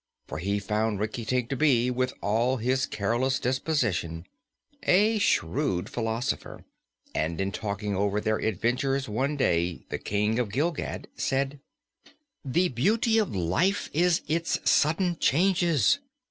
For he found Rinkitink to be, with all his careless disposition, a shrewd philosopher, and in talking over their adventures one day the King of Gilgad said: "The beauty of life is its sudden changes.